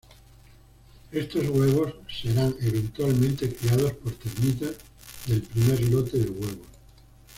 Estos huevos serán eventualmente criados por termitas del primer lote de huevos.